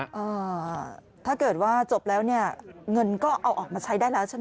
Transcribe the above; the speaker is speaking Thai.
อ่าถ้าเกิดว่าจบแล้วเนี่ยเงินก็เอาออกมาใช้ได้แล้วใช่ไหม